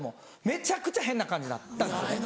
めちゃくちゃ変な感じになったんですよね。